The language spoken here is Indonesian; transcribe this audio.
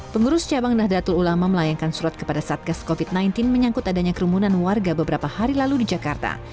pengurus cabang nahdlatul ulama melayangkan surat kepada satgas covid sembilan belas menyangkut adanya kerumunan warga beberapa hari lalu di jakarta